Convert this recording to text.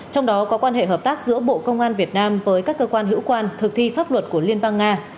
trong đó có quan hệ hợp tác giữa bộ công an việt nam với các cơ quan hữu quan thực thi pháp luật của liên bang nga